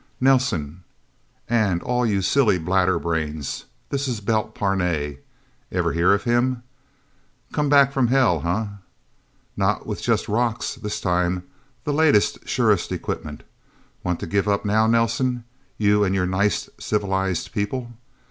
"Nelsen! And all of you silly bladder brains...! This is Belt Parnay...! Ever hear of him? Come back from hell, eh? Not with just rocks, this time! The latest, surest equipment! Want to give up, now, Nelsen you and your nice, civilized people?